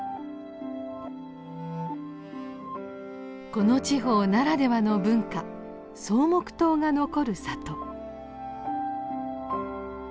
この地方ならではの文化「草木塔」が残る里。